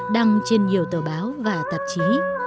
đăng trên nhiều tờ báo và tạp chí